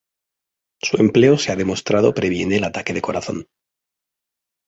Su empleo se ha demostrado previene el ataque de corazón.